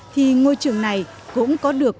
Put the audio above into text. thì ngôi trường này cũng có được